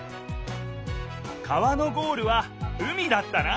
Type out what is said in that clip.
川のゴールは海だったな！